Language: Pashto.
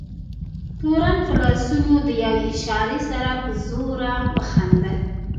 تورن په لاسونو د یوې اشارې سره په زوره وخندل.